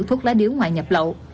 thuốc lá điếu ngoài nhập lậu